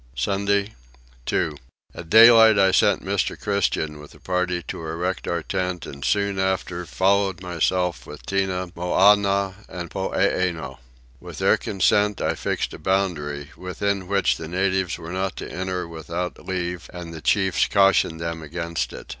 Sunday 2. At daylight I sent Mr. Christian with a party to erect our tent and soon after followed myself with Tinah, Moannah, and Poeeno. With their consent I fixed a boundary, within which the natives were not to enter without leave and the chiefs cautioned them against it.